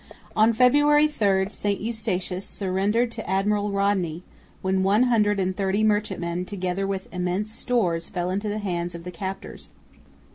On February 3 St Eustatius surrendered to Admiral Rodney, when one hundred and thirty merchantmen together with immense stores fell into the hands of the captors.